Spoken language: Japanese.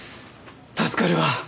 助かるわ。